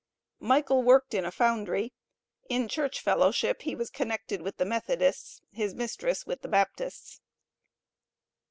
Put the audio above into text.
Michael worked in a foundry. In church fellowship he was connected with the Methodists his mistress with the Baptists.